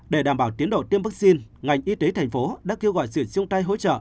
để đảm bảo tiến độ tiêm vaccine ngành y tế thành phố đã kêu gọi sự chung tay hỗ trợ